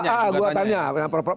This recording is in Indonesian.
ya gue tanya